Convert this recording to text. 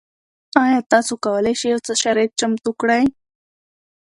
ایا تاسو کولی شئ یو څه شرایط چمتو کړئ؟